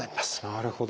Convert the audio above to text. なるほど。